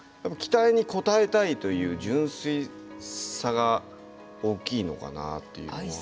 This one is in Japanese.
期待に応えたいという純粋さが大きいのかなぁというのは。